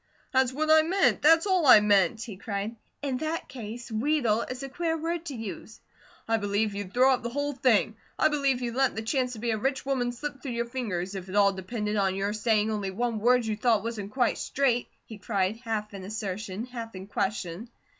"That's what I meant! That's all I meant!" he cried. "In that case, 'wheedle' is a queer word to use." "I believe you'd throw up the whole thing; I believe you'd let the chance to be a rich woman slip through your fingers, if it all depended on your saying only one word you thought wasn't quite straight," he cried, half in assertion, half in question.